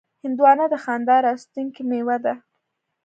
هندوانه د خندا راوستونکې میوه ده.